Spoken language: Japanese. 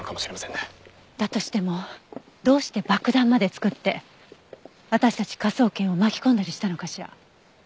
だとしてもどうして爆弾まで作って私たち科捜研を巻き込んだりしたのかしら？